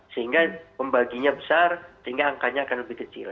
sehingga pembaginya besar sehingga angkanya akan lebih kecil